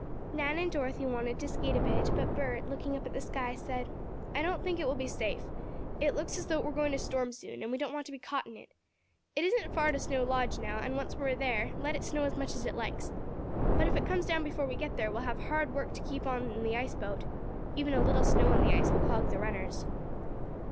Nan and Dorothy wanted to skate a bit, but Bert looking up at the sky, said: "I don't think it will be safe. It looks as though it were going to storm soon, and we don't want to be caught in it. It isn't far to Snow Lodge now, and once we are there let it snow as much as it likes. But if it comes down before we get there we'll have hard work to keep on in the ice boat. Even a little snow on the ice will clog the runners."